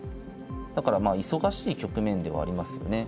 だからまあ忙しい局面ではありますよね。